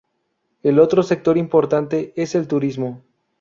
El otro sector importante es el turismo.